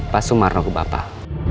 pak semarno ke bapak